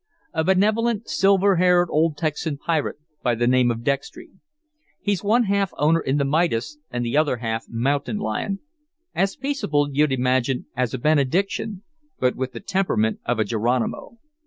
"A benevolent, silver haired old Texan pirate by the name of Dextry. He's one half owner in the Midas and the other half mountain lion; as peaceable, you'd imagine, as a benediction, but with the temperament of a Geronimo.